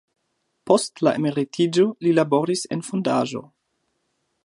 Post la emeritiĝo li laboris en fondaĵo.